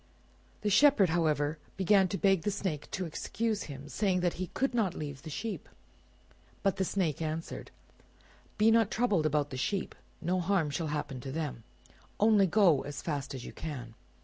The Shepherd, however, began to beg the Snake to excuse him, saying that he could not leave the sheep; but the Snake answered— "Be not troubled about the sheep; no harm shall happen to them; only go as fast as you can."